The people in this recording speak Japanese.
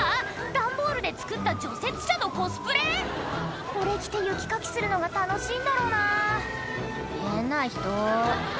段ボールで作った除雪車のコスプレ⁉これ着て雪かきするのが楽しいんだろうな変な人